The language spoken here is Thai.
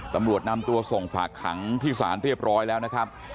ตำรวจนำตัวส่งฝากขังที่ศาลเรียบร้อยแล้วนะครับ